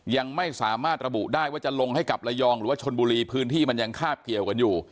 ยังไม่สามารถระบุได้ว่าจะลงให้กับระยองหรือว่าชนบุรีพื้นที่มันยังคาบเกี่ยวกันอยู่